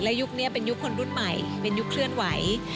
ยุคนี้เป็นยุคคนรุ่นใหม่เป็นยุคเคลื่อนไหว